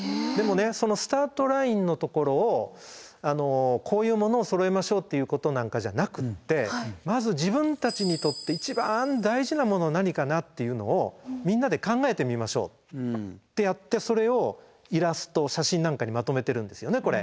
でもねそのスタートラインのところをこういうものをそろえましょうっていうことなんかじゃなくってまず自分たちにとって一番大事なもの何かなっていうのをみんなで考えてみましょうってやってそれをイラスト写真なんかにまとめてるんですよね